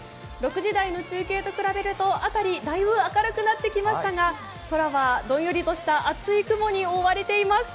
６時台の中継と比べると辺り、だいぶ明るくなってきましたが空はどんよりとした厚い雲に覆われています。